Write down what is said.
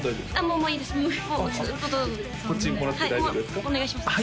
もうお願いします